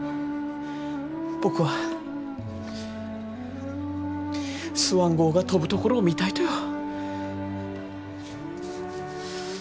僕はスワン号が飛ぶところを見たいとよ。